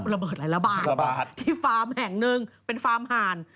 ระเบิดอะไรระบาดระบาดที่ฟาร์มแห่งหนึ่งเป็นฟาร์มห่าน